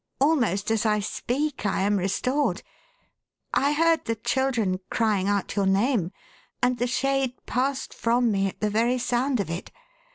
Almost as I speak, I am re stored. I heard the children crying out your name, and the shade passed from me at the very sound of it.